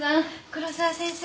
黒沢先生